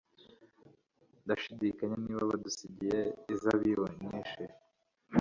Ndashidikanya niba badusigiye inzabibu nyinshi